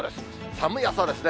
寒い朝ですね。